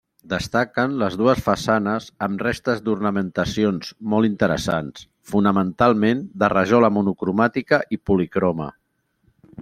Destaquen les dues façanes, amb restes d'ornamentacions molt interessants, fonamentalment de rajola monocromàtica i policroma.